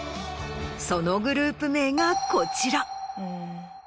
そのグループ名がこちら。